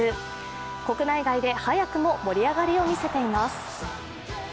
国内外で早くも盛り上がりを見せています。